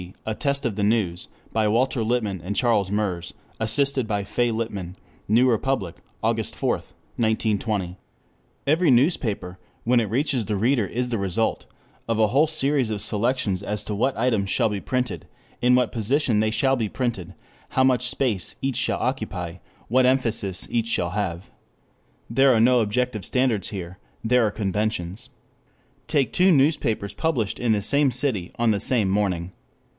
A Test of the News,_ by Walter Lippmann and Charles Merz, assisted by Faye Lippmann, New Republic, August 4, 1920.] 5 Every newspaper when it reaches the reader is the result of a whole series of selections as to what items shall be printed, in what position they shall be printed, how much space each shall occupy, what emphasis each shall have. There are no objective standards here. There are conventions. Take two newspapers published in the same city on the same morning.